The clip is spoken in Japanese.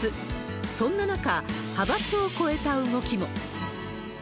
そんな中、派閥を超えた動きも。